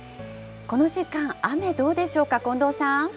この時間、雨、どうでしょうか、近藤さん。